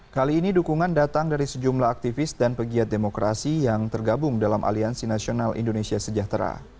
kali ini dukungan datang dari sejumlah aktivis dan pegiat demokrasi yang tergabung dalam aliansi nasional indonesia sejahtera